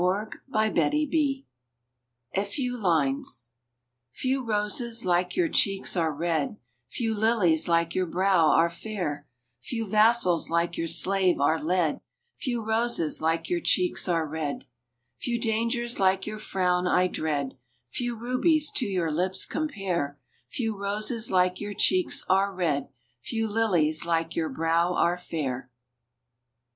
A FEW LINES Few roses like your cheeks are red, Few lilies like your brow are fair; Few vassals like your slave are led, Few roses like your cheeks are red, Few dangers like your frown I dread; Few rubies to your lips compare, Few roses like your cheeks are red, Few lilies like your brow are fair.